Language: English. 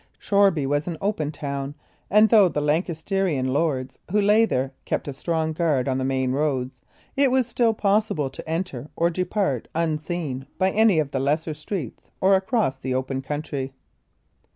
Shoreby was an open town, and though the Lancastrian lords who lay there kept a strong guard on the main roads, it was still possible to enter or depart unseen by any of the lesser streets or across the open country.